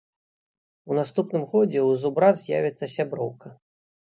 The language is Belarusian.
У наступным годзе ў зубра з'явіцца сяброўка.